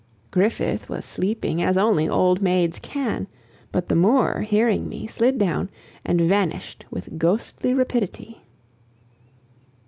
Griffith was sleeping as only old maids can. But the Moor, hearing me, slid down, and vanished with ghostly rapidity.